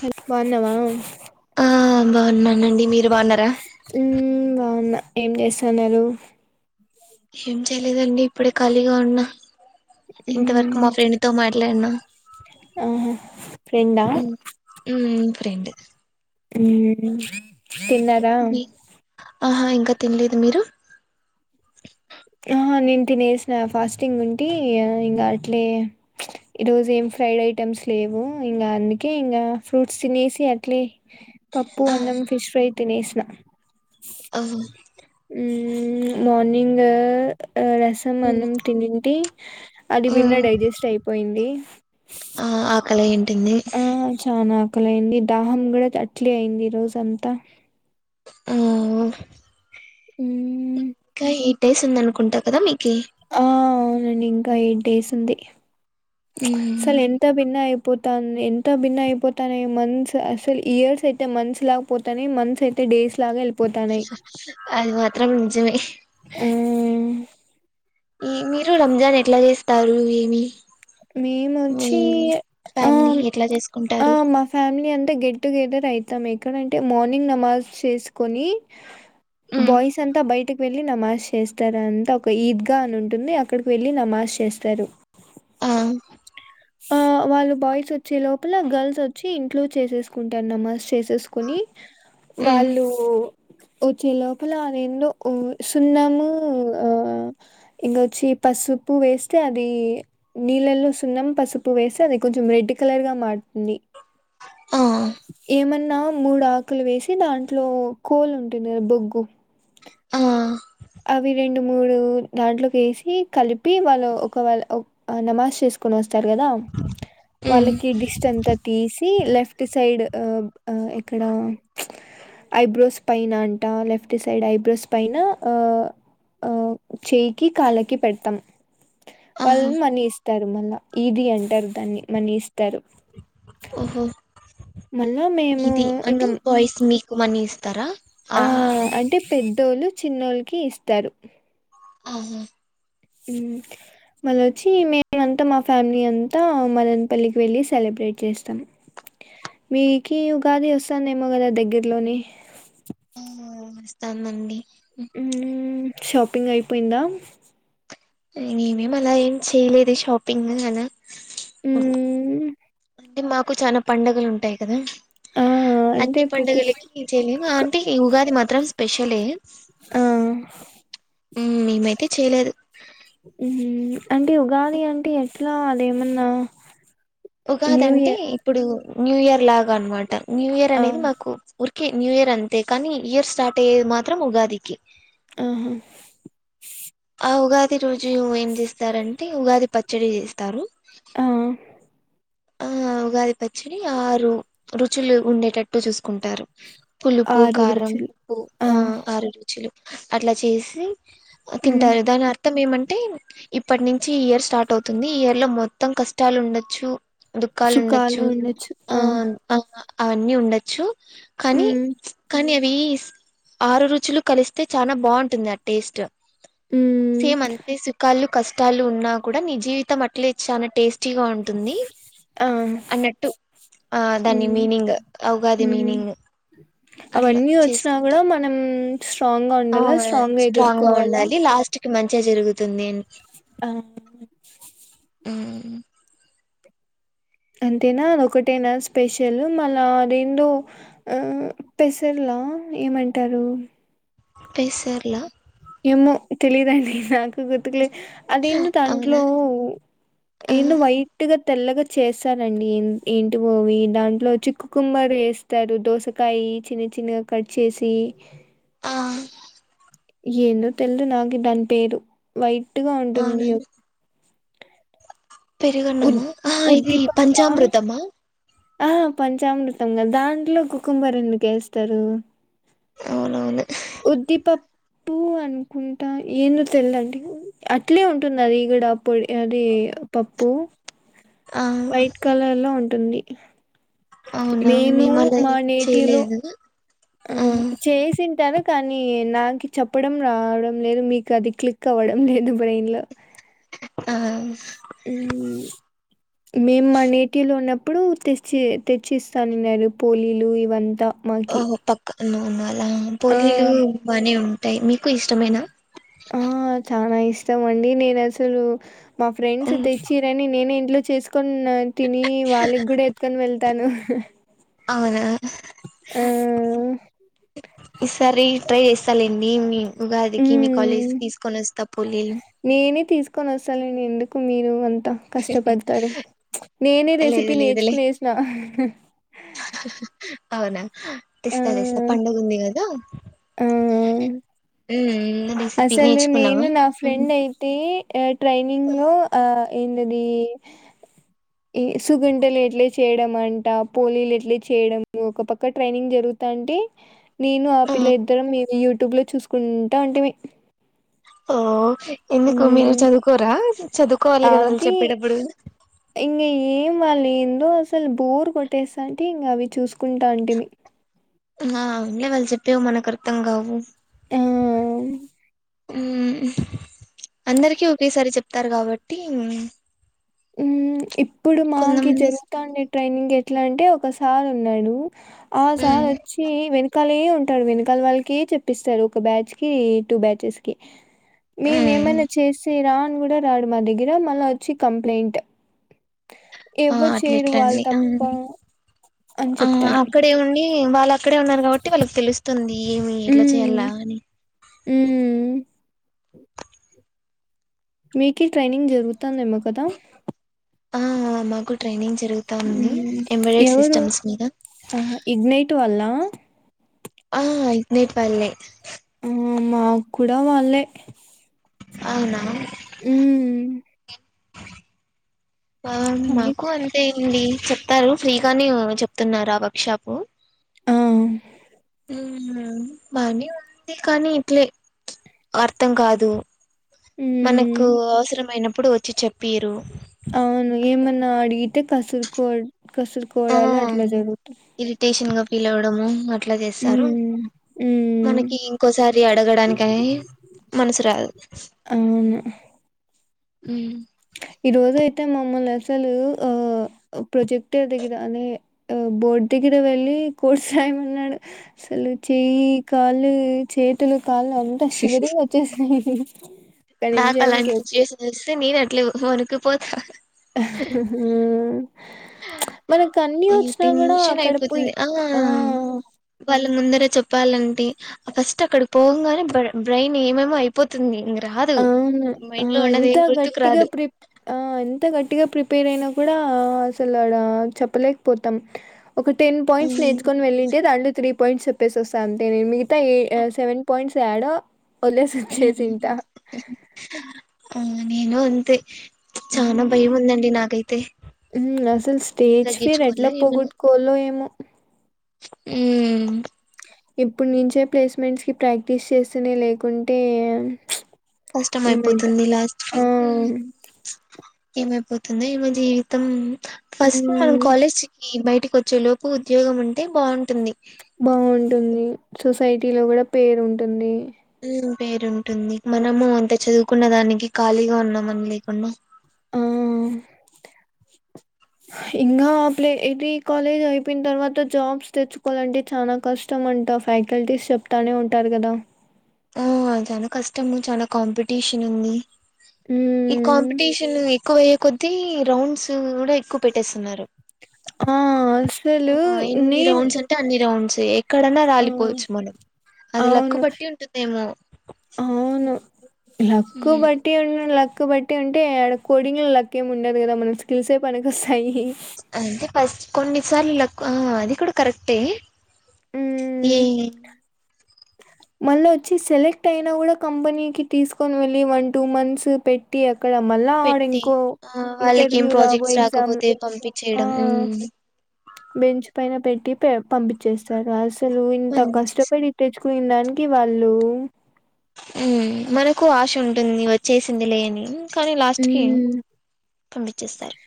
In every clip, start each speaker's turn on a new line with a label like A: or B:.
A: Huff బాన్నావా
B: ఆ బాగున్నానండి మీరు బాగున్నారా
A: ఊ బావున్నా ఏం చేస్తన్నారు
B: ఏం చేయలేదండి ఇప్పుడే ఖాళీగా ఉన్న ఇంతవరకు
A: మ్మ్
B: మా ఫ్రెండ్ తో మాట్లాడినా
A: ఆహా ఫ్రెండా
B: ఫ్రెండ్
A: ఉమ్ తిన్నరా
B: మీ- ఆహా ఇంకా తినలేదు మీరు
A: అహ నేను తినేసిన ఫాస్టింగ్ ఉంటీ ఇంకా అట్లే ఈరోజు ఏం ఫ్రైడ్ ఐటమ్స్ లేవు ఇంకా అందుకే ఇంకా ఫ్రూట్స్ తినేసి అట్లే పప్పూ
B: ఆ,
A: అన్నం ఫిష్ ఫ్రై తినేసిన
B: ఒహో
A: మ్ మార్నింగ్ ఆ ఆ రసం
B: ఉమ్
A: అన్నం తినింటి అది బిన్నే
B: ఉమ్.
A: డైజెస్ట్ అయిపోయింది
B: అలా ఏం తినేయ్
A: ఆకలి అయింది దాహం కూడా అట్లే అయింది ఈ రోజు అంతా
B: ఆ
A: ఊ
B: ఇంకా ఎయిట్ డేస్ ఉంది అనుకుంటా కదా మీకీ
A: ఆ అవునండి ఇంకా ఎయిట్ డేస్ ఉంది
B: ఉమ్
A: అసల్ ఎంత భిన్న పోతాంది ఎంత భిన్న అయిపోతానే మంత్స్ అసలు ఇయర్స్ అయితే మంత్స్ లాగా పోతానే మంత్స్ అయితే డేస్ లాగా వెళ్
B: అది మాత్రం ఉ నిజమే
A: ఆ
B: ఈ మీరు రంజాన్ ఎట్లా చేస్తారు ఏమి మీ
A: మేమోచ్చి ఆ
B: ఫ్యామిలీ ఎట్లా
A: ఆ
B: చేసుకుంటారు
A: మా ఫ్యామిలీ అంతా గెట్ టుగెదర్ అయితాం ఎక్కడంటే మార్నింగ్ నమాజ్ చేసుకొని
B: ఉమ్,
A: బాయ్స్ అంతా బయటకి వెళ్ళి నమాజ్ చేస్తారు అంతా ఒక ఈద్ గా అని ఉంటుంది అక్కడికి వెళ్ళి నమాజ్ చేస్తారు
B: ఆ
A: ఆ వాళ్ళు బాయ్స్ వచ్చే లోపల గర్ల్స్ వచ్చి ఇంక్లూడ్ చేసేసుకుంటారు నమర్స్ చేస్ చేసుకొని
B: ఉమ్
A: వాళ్ళు వచ్చే లోపల అది ఎన్నో సున్నము ఆ ఇంకొచ్చి పసుపు వేస్తే అది నీళ్ళల్లో సున్నం పసుపు వేసి అది కొంచెం రెడ్ కలర్గా మరుతుంది
B: ఆ
A: ఏమన్నా మూడు ఆకులు వేసి దాంట్లో కోల్ ఉంటుంది కదా బొగ్గు
B: ఆ
A: అవి రెండు మూడు దాంట్లోకి వేసి కలిపి వాళ్ళు ఒకవళ ఆ నమాజ్ చేసుకొని వస్తారు కదా
B: ఉమ్
A: వాళ్ళకి డిస్ట్ అంతా తీసి లెఫ్ట్ లెఫ్ట్ సైడ్ ఆమ్ ఆ ఎక్కడ ఐబ్రోస్ పైన అంట లెఫ్ట్ సైడ్ ఐబ్రోస్ పైన ఆ ఆ చేయికి కాల్లకి పెడత్తం వాళ్ళు
B: ఆహా
A: మనీ ఇస్తారు మళ్ళా ఇది అంటారు దాన్ని మనీ ఇస్తారు
B: ఓహో
A: మళ్ళా మేము ఇంగ
B: కు వన్నీ ఇస్తారా
A: ఆ అంటే పెద్దోళ్ళు చిన్నోల్ల కి ఇస్తారు
B: ఆహా
A: హ్ మల్లోచ్చి మేమ అంతా మా ఫ్యామిలీ అంతా మదన్పల్లికి వెళ్ళి సెలబ్రేట్ చేస్తాం. వి కి ఉగాది వస్తాందేమో గాదా దగ్గరలోని
B: [unintelligible] వస్తాందండి
A: ఉమ్ షాపింగ్ అయిపోయిందా
B: హ్ మేమేం అలా ఏం చేయలేదు షాపింగ్ ను అనా ఓ.
A: హ్మ్
B: అంటే మాకు చానా పండగలు ఉంటాయి కదా.
A: ఆ అంటే
B: అన్ని
A: ప్రతి
B: పండుగలకి చేయం అంటే ఉగాది మాత్ త్రం స్పెషలే
A: ఆ
B: ఉమ్ మేము అయితే చేయలేదు.
A: హు హు అంటే ఉగాది అంటే ఎట్లా అది ఏమన్నా
B: ఉగాదంటే ఇప్పుడు న్యూ ఇయర్ లాగా అన్న మాట న్యూ ఇయర్
A: ఆ
B: అనేది మాకు కి న్యూ ఇయర్ అంతే కానీ ఇయర్ స్టార్ట్ అయ్యేది మాత్రం ఉగాదికి
A: ఆహా
B: ఆ ఉగాది రోజు ఏం చేస్తారంటే ఉగాది పచ్చడి చేస్తారు
A: ట్.
B: ఆ ఉగాది పచ్చడి ఆరు రుచులు ఉండేటాట్టు చూసుకుంటారు పులుపు
A: ఆరు
B: కారం
A: రుచులు
B: ఉప్పు ఆ ఆరు రుచులు అట్లా చేసి
A: హ్మ్.
B: తింటారు దాని అర్థం ఏమం టే ఇప్పటి నుంచి ఇయర్ స్టార్ట్ అవుతుంది. ఈ ఇయర్ లో మొత్తం కష్టాలు ఉండొచ్చు. దుఖాలు ఉండొచ్చు ఆ ఆ అవన్నీ ఉండొచ్చు కానీ
A: హ్మ్.
B: కానీ ఏ అవి ఆరు రుచులు కలిస్తే చాలా బాగుంటుంది ఆ టేస్ట్.
A: హ్మ్.
B: సేమ్ అంతే సుఖాలు. కష్టాలు ఉన్నా కూడా నీ జీవితం అట్లే చా టేస్ట్. ట్టిగా ఉంటుంది.
A: ఆహా
B: అన్నట్టు ఆ దాని
A: హ్మ్
B: మీనింగ్ ఉగాది
A: హ్మ్
B: మీనింగ్ అట్లా
A: అవన్నీ వచ్చినా కూడా
B: చేసుకుంటాం
A: మనం స్ట్రాంగ్గా
B: ఆ
A: ఉండాల స్ట్రాంగ్గా
B: స్ట్రాంగ్ గా
A: ఎదుర్కోవాలా.
B: ఉండాలి లాస్ట్ మంచిగా జరుగుతుంది ఎ
A: ఆ
B: హ్మ్.
A: అంతేనా అది ఒకటేనా స్పెషల్ మళ్ళా అఅదేందో పెసర్లా ఏమంటారు.
B: పేసర్లా.
A: ఏమో తెలీదండి నాకు గుర్తుకు లేదు. అది ఏందో
B: అవునా
A: దాంట్లో
B: ఆ
A: ఏందో వైట్ గా. తెల్లగా చేస్తారండి ఏంటివో అవి దాంట్లో చిక్కు కుమ్మారు ఎస్తారు దోసకాయ చిన్న చిన్నగా కట్ చేసి.
B: ఆ
A: ఏందో తెల్దు నాకు దాని పేరు వైట్. ట్టుగా
B: అవునా
A: ఉంటుంది. ఉద్
B: పెరుగన్నమా ఆ ఇది
A: ఉద్దిపప్ప
B: పంచామృతమా.
A: ఆ పంచామృతంగా దాంట్లో కుకుంభర్ ఎందుకు వేస్తారు
B: అవునవును
A: ఉద్దీప పప్పు అనుకుంటా ఏందో తెల్దండి అట్లే ఉంటుంది అది కూడా పొడి అది పప్పు
B: ఆ
A: వైట్ కలర్లా ఉంట టుంది
B: అవునా మేము అలా
A: మా
B: ఏం
A: నేటివ్లో
B: చేయలేదు
A: ఆ చేసింటరు కానీ నాకు చెప్పడం రావడం లేదు మీకు అది క్లిక్ అవ్వడం లేదు బ్రెయిన్ లో
B: ఆ
A: మ్మ్ ఇప్పుడు తెచ్చి తెచ్చి ఇస్తాన్నారు పోలీలు ఇవంతా
B: ఓ
A: మాకి
B: పక్క నోనల్ ఆ
A: ఆ
B: పోొలలు బానే ఉ టాయి మీకు ఇష్టమేనా
A: ఆ చనా ఇ ఇష్టమండి నేను అసలు మా ఫ్రెండ్స్ తెచ్చిరని నేనే లు చేసు కొని తిని వాళ్ళికి కూడా ఎత్తుకొని వెళ్తు తను
B: అవునా ఈసారి ట్రై చేస్తాాలండి మీ ఉగా అదికి మీ కాలేజ్
A: హ్మ్.
B: కి తీసుకొ వస్తా తపోలి
A: కొన వసాలండి ఎందుకు మీరు కష్టపడతారు నేనే
B: లేదు
A: రెసిపీ
B: లేదులే
A: నేర్చుకునే వసిన
B: అవునా తెస్తా తెస్తా పండగందిీగాద
A: ఆ!
B: ఉమ్ రెసిపీ
A: అసలు
B: నేర్చుకున్నావా
A: నేను నా ఫ్రెండ్ అయితే ఎట్ ట్రైనింగ్ లో ఏంటిది సుగుంటలు ఎట్లే చేయడం అంట పోలీలు ఎట్లే చేయడం ఒక పక్క ట్రైనింగ్ జరుగుతా అంటే నేను ఆ పిల్ల ఇద్దరం మీ ూ ట్యూబ్ లో చూకు అ ఉంటివి
B: ఓ ఎందుకు మీరు చదువుకోరా చదువుకోవాలి కదా వాళ్ళు
A: అది
B: చెప్పేటప్పుడు
A: ఇంగ ఏం వాళ్ళు ఏందో అసలు బోర్ కొట్టేస్తా అంటే ఇంకా అవి చూసుకుంటా అంటే మీ
B: ఆ ఉండ వాళ్ళు చెప్పేవు మనకు అర్థం కావు
A: ఆ
B: ఆ అందరికిీ ఒకేసారి చెప్ చెప్తారు కాబట్టి
A: ఉ ఇ ఇప్పుడు మాకి
B: కొంతమంది
A: జరుగుతండ ట్రైనింగ్ ఎట్లా అంటే ఒకసారి ఉన్నాడు ఆ
B: ఉమ్
A: సార్ వచ్చి వెను కలి ఉంటాడు వెనకాల వాళ్ళకి చెప్పిస్తారు ఒక బ్యాచ్ కి టూ బ్యాచెస్ కి మేము
B: ఉమ్
A: ఏమైనా చేసరా రాడు మా దగ్గర మళ్ళ వచ్చి కంపె ప్లయింట్
B: ఆ అట్లాట్లండి
A: అని
B: ఆ
A: చెప్తాడు
B: అక్కడే ఉడి వాళ్ళు అక్కడ ఉన్నారు కాబట్టి వాళ్ళ తెలుస్తు ఉంది. ఏమి ఎట్ల చేయ్యాల్ల అని
A: ఊ మీకీ ట్రైనింగ్ జరుగుతందేమో కదా
B: ఆ మాకు ట్రైనింగ్ జరుగుతా ఉంది
A: ఊహు
B: ఎంబెడెడ్
A: ఎవరు
B: సిస్టమ్స్ మీద
A: ఆహా ఇగ్నేైట్ వాల్లా ఆ
B: ఆ ఇగ్నైట్ వాల్లే
A: ఆ మాకూడా వాళ్ళే
B: అవునా.
A: ఊ
B: ఆ
A: అన్ని
B: మాకు అంతే అండి. చెప్తారు ఫ్రీగానే చెప్తున్నారా వర్క్ షాప్
A: ఉ
B: ఊ బానే ఉంది కానీ ఇట్లే అర్థం కాదు.
A: మ్మ్
B: మనకు అవసరమైనప్ ఎప్పుడు వచ్చి చెప్పిరూ
A: అవును ఏమన్నా అడిగితే కసుూర్కో కాసుర్కోవడాలు అట్లా జరుగుతాయి.
B: ఇరిటేషన్ గా పిలవడము ఆ అట్లా చేస్తారు
A: మ్మ్ మ్మ్
B: మనకి ఇంకోసారి అడగడానికని మనసు రాదు.
A: అవును
B: ఉ
A: ఈ రోజు అయితే మమ్మల్ని అసలు ఆ ప్రొజెక్టర్ దగ్గర అదే బోర్డు దగ్గర వెళ్ళి కోర్స్ రాయమన్నాడు అసలు చెయ్యి కాళ్ళు చేతులు కాళ్లాంత శివరింగ్వచ్చేసినాయి. సి
B: నాక్ అలాంటి సిచ్యువేషన్ వస్తే నేను అట్లే వనుకు కిపోత
A: ఊ మనకు అన్ని
B: అయ్యో
A: వచ్చినా కూడా
B: టెన్షన్
A: అక్కడ పోయి
B: అయిపోతుంది
A: ఆ
B: వాళ్ళ ముందర చెప్పాలంటే ఫస్ట్ అక్కడికి పోవంగానే బ్రెయిన్ ఏమేమో అయిపోతుంది ఇంగ
A: అవును ఆ ఎంత
B: గుర్తుకు
A: గట్టిగా
B: రాదు
A: ప్రిప్ ఆ ఎంత గట్టిగా ప్రిప్ పేరయినా కూడా అసలు ఆడ చెప్పలేకపోతాం. ఒక టెన్ పాయింట్స్
B: ఉమ్,
A: నేర్చుకొని వెళ్ళింటే దాంట్లో త్రీ ప పయింట్స్ చెప్పేసి వస్తా అంతే నేను మిగి తా ఏ అ సెవెన్ పాయింట్స్ త్యాడో. వదిలేసి వచ్చేసింటా.
B: ఆహ్ నేను అంతే. చానా భయం ఉందండి నాకైతే
A: ఉమ్ అసలు స్టేజ్ ఫియర్ ఎట్లా
B: తగ్గించుకోలే ఏమైనా
A: పొగొట్టుకోవాలో ఏమో.
B: ఉమ్
A: ఇప్పుడు నుంచే ప్లేస్మెంట్స్ కి ప్రాక్టీస్ చేస్తేనే లేకుంటే ప్చ్.
B: కష్టం అయిపోతుంది లాస్ట్ కి ప్చ్ ఏమైపోతు. దైవ జీవితం. ఫస్ట్ మనం
A: హ్మ్.
B: కాలేజ్కి బయటిక్. కొచ్చేలోపు ఉద్యోగం ఉంటే బాగుంటుంది.
A: బాగుంటుంది. సొసైటీ లో కూడా పేరు ఉంటుంది.
B: ఉమ్. పేరుంటుంది. మనము అంత చదువుకున్న దానికి ఖాళీగా ఉన్నామని లేకుండా.
A: ఇంకా ప్లే ఇది ఈ కాలేజ్ అయిపోయిన తర్వాత జాబ్స్ తెచ్చుకోవాలంటే చాలా కష్టం అంటా ఫ్యాకల్టీస్ చెప్తానే ఉంటారు కదా.
B: ఆహ్ చాలా కష్టము చాల కాంపిటీషన్ ఉంది. ఈ
A: హ్మ్
B: కాంపిటీషన్ ఎక్కువయ్యే కొద్ది. త్రీ రౌండ్స్ కూడా ఎక్కువ పెట్టేస్తున్నారు.
A: ఆహ్
B: ఆహ్ ఎన్ని రౌండ్స్ అంటే అన్ని రౌండ్స్. ఏక్. ఎక్కడన్నా
A: ఆ
B: రాలిపోవచ్చు మనం. అది లక్కు
A: అవును
B: పట్టి ఉంటుందేమో.
A: లక్కు
B: ఉమ్,
A: బట్టి ఉన్న లక్. కాబట్టి అంటే ఆడ కోడింగే లాక్కు ఏమి ఉండదు కదా మన స్కిల్స్ పనికి వస్.
B: అంటే ఫస్ట్. కొన్నిసార్లు లక్ ఆహ్ అది కూడా కరెక్టే.
A: ఉమ్
B: ఏమేం.
A: మళ్ళ వచ్చి సెలెక్ట్ అయినా కూడా కంపెనీకి తీసుకొని వెళ్ళి వన్ టూ మంత్స్ పెట్టి అక్.
B: పెట్టి ఆహ్ వాళ్ళకి ఏం
A: ఇంటర్వ్యూ లాగో
B: ప్రాజెక్ట్స్
A: ఎగ్జామ్
B: రాకపోతే పంపి
A: ఆ
B: చేయడం.
A: బెంచ్ పైన పెట్టి పంపించేస్తారు రాజు. తలు ఇంత
B: పంపించేస్
A: కష్టపడి తెచ్చుకున్న. ముంగీ వాళ్ళు.
B: ఉమ్ మనకు ఆశ ఉంటుంది వచ్చేసిందిలే అని. పంపించేస్తారు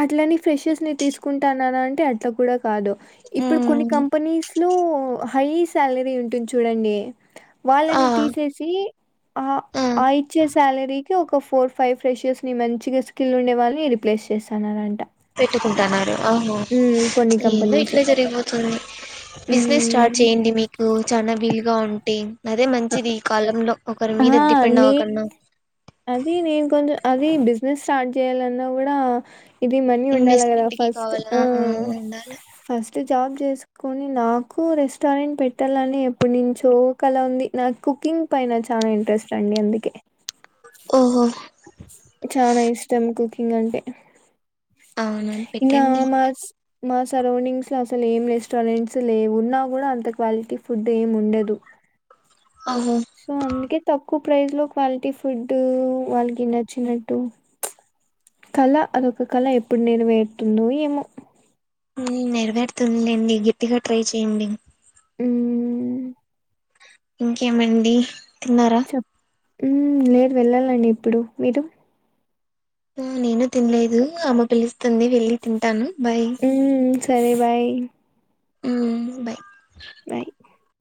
A: అట్లని ఫ్రెషెస్ ని తీసుకుంటానానన్. అంటే అట్లా కూడా. కాదు ఇప్పుడు కొన్ని
B: ఉమ్,
A: కంపెనీస్ లో. హై శాలరీ ఉంటుంది చూడండి
B: ఆ
A: వాళ్ళని తీసేసి ఆ ఆ ఇచ్చేసి సాలరీకి ఒక ఫోర్ ఫైవ్ ఫ్రెషర్స్ ని మంచిగా స్కిల్ ఉండే వాళ్ళని రిప్లేస్ చేస్తానారంట
B: పెట్టుకుంటన్నారు ఆహో
A: కొన్ని
B: ఏందో
A: కంపెనీస్.
B: ఇట్లా జరిగిపోతుంది బిజినెస్ స్టార్ట్
A: హ్మ్.
B: చేయండి మీకు చన్న బిల్ గన్టిన్ అదే మంచిది ఈ కాలంలో ఒకరి
A: ఆ!
B: మీద డిపెండ్
A: నే
B: అవ్వకుడ
A: బిస్స్టార్ట్ చేయ్యాలన్నా కూడా ఇది మనీ ఉండాలి కదా
B: ఇన్వెస్ట్మెంట్ కి
A: ఫస్ట్
B: కావాలా
A: ఆ
B: ఉండాల
A: ఫస్ట్ ఇటు జాబ్ చేసుకొని నాకు రెస్టారెంట్ పెట్టాలని ఎప్పనుంచో కలా ఉంది నాకు కుకింగ్ పైన చాలా ఇంట్రెస్ట్ అండి అందుకే
B: ఓహో
A: చనా ఇష్టం కుకింగ్ అంటే
B: అవును
A: ఇంమ
B: పెట్టండి
A: మా సరౌండింగ్స్ లో అసలు ఏం రెస్టారెంట్స్ లేవున్నా కూడా అంత క్వాలిటీ ఫుడ్ ఏమి ఉండదు
B: ఓహో
A: సో అందుకే తక్కు ప్రైస్ లో క్వాలిటీ ఫుడ్ వాళ్ళకి నచ్చినట్టు కళ అదొక కళ ఎప్పుడు నెరవేరుతుందో ఏమో
B: ఉమ్, నెరవేరుతుందిలేండి గట్టిగా ట్రై చేయండి
A: మ్మ్
B: ఇంకేమండి తిన్నారా
A: మ్మ్ లేదు వెళ్ళాలండి ఇప్పుడు మీరు
B: నేను తినలేదు అమ్మ పిలి పిలుస్తుంది వెళ్ళి తింటాను బై
A: హ్మ్ సరే బాయ్
B: మ్మ్ బాయ్
A: బాయ్